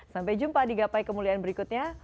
sampai jumpa di gapai kemuliaan berikutnya